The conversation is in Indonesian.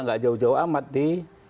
gak jauh jauh amat di